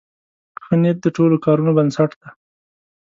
ښه نیت د ټولو کارونو بنسټ دی.